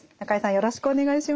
よろしくお願いします。